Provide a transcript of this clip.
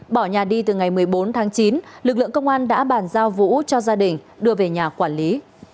bỏ nhà đi từ ngày một mươi bốn tháng chín lực lượng công an đã bàn giao vũ cho gia đình đưa về nhà quản lý